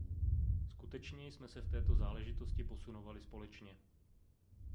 Skutečně jsme se v této záležitosti posunovali společně.